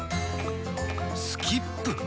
スキップ？